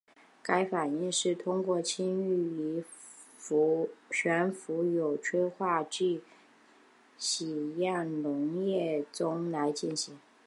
该反应是通氢气于悬浮有催化剂的酰氯溶液中来进行。